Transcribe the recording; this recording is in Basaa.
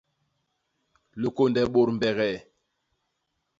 Likônde bôt mbegee.